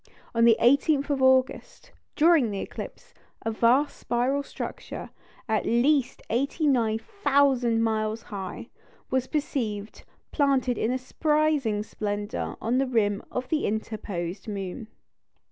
On the 18th of August, during the eclipse, a vast spiral structure, at least 89,000 miles high, was perceived, planted in surprising splendour on the rim of the interposed moon.